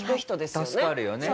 助かるよね。